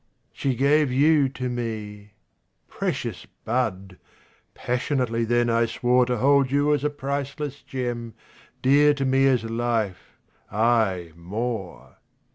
She gave you to me. Precious bud! Passionately then I swore To hold you as a priceless gem, Dear to me as life aye more!